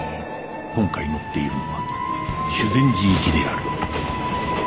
今回乗っているのは修善寺行きである